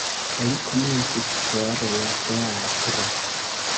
Li komencis per la teatro.